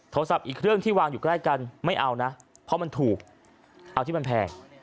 อีกเครื่องที่วางอยู่ใกล้กันไม่เอานะเพราะมันถูกเอาที่มันแพง